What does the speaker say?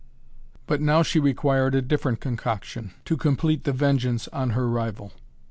But now she required a different concoction to complete the vengeance on her rival.